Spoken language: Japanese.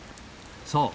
そう。